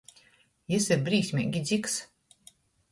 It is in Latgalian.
Jis ir brīsmeigi dziks.